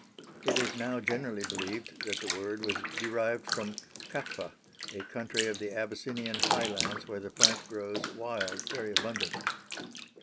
It is now generally believed that the word was derived from Kaffa, a country of the Abyssinian highlands where the plant grows wild very abundantly.